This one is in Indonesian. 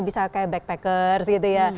bisa kayak backpackers gitu ya